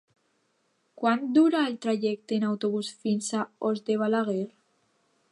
Quant dura el trajecte en autobús fins a Os de Balaguer?